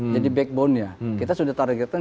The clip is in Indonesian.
jadi backbone nya kita sudah target kan